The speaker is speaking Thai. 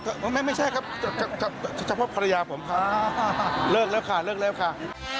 คุณผู้ชมเรื่องนี้ว่ากันใต้